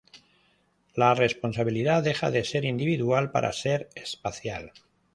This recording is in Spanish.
La responsabilidad deja de ser individual para ser espacial.